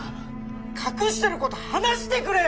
隠してること話してくれよ！